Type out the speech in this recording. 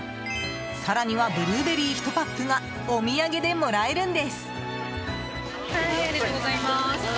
更には、ブルーベリー１パックがお土産でもらえるんです！